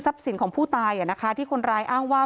ทรัพย์สินของผู้ตายที่คนรายอ้างว่า